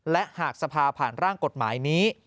และหากสภาผ่านร่างกฎหมายนี้